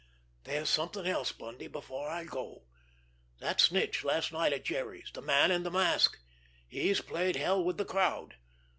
"There's something else, Bundy, before I go—that snitch last night at Jerry's, the man in the mask. He's played hell with the crowd.